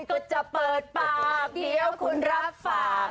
ก็จะเปิดปากเดี๋ยวคุณรับฝาก